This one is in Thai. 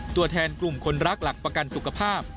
ตัวแทนกลุ่มคนรักหลักประกันสุขภาพ